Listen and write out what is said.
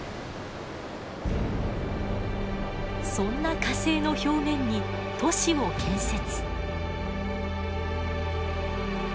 そんな火星の表面に都市を建設。